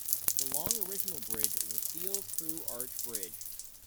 The long original bridge is a steel through arch bridge.